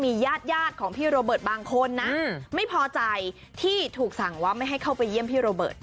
ญาติของพี่โรเบิร์ตบางคนนะไม่พอใจที่ถูกสั่งว่าไม่ให้เข้าไปเยี่ยมพี่โรเบิร์ต